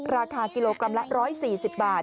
ราคากิโลกรัมละ๑๔๐บาท